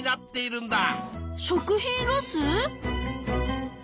食品ロス！？